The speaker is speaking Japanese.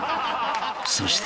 ［そして］